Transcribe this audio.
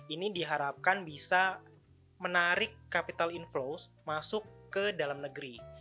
ini diharapkan bisa menarik capital inflow masuk ke dalam negeri